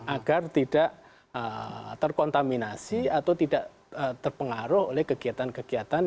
agar tidak terkontaminasi atau tidak terpengaruh oleh kegiatan kegiatan